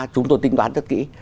chúng tôi tính toán rất kỹ